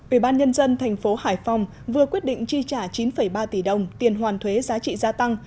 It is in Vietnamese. ủy ban nhân dân thành phố hải phòng vừa quyết định chi trả chín ba tỷ đồng tiền hoàn thuế giá trị gia tăng